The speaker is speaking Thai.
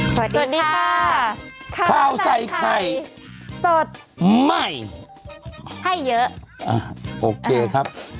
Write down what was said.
สวัสดีค่ะข้าวใส่ไข่สดใหม่ให้เยอะอ่ะโอเคครับ